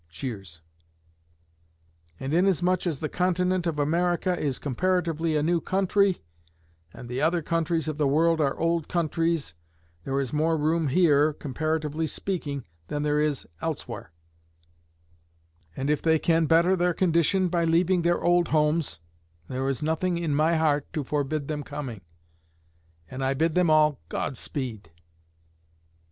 [Cheers.] And inasmuch as the continent of America is comparatively a new country, and the other countries of the world are old countries, there is more room here, comparatively speaking, than there is elsewhere; and if they can better their condition by leaving their old homes, there is nothing in my heart to forbid them coming, and I bid them all God speed.